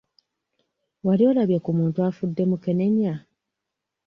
Wali olabye ku muntu afudde mukenenya?